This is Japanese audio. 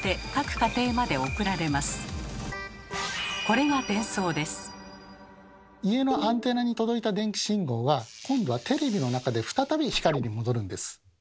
家のアンテナに届いた電気信号は今度はテレビの中で再び光に戻るんです。